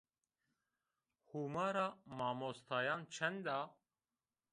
Hûmara mamostayan çend a?